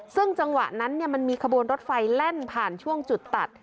ซึ่งจังหวะนั้นมันมีขบวนรถไฟแล่นผ่านช่วงจุดตัด